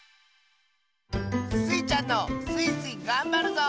スイちゃんの「スイスイ！がんばるぞ」